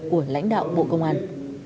của lãnh đạo bộ công an